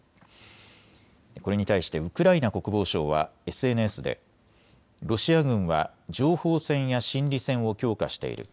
これに対してウクライナ国防省はＳＮＳでロシア軍は情報戦や心理戦を強化している。